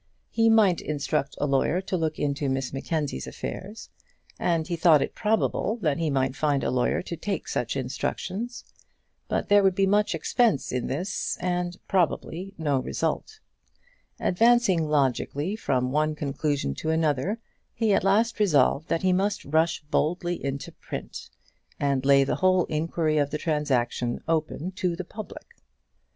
He might instruct a lawyer to look into Miss Mackenzie's affairs, and he thought it probable that he might find a lawyer to take such instructions. But there would be much expense in this, and, probably, no result. Advancing logically from one conclusion to another, he at last resolved that he must rush boldly into print, and lay the whole iniquity of the transaction open to the public.